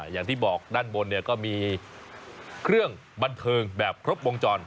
อย่างที่บอกด้านบนเนี่ยก็มีเครื่องบันเทิงแบบครบวงจร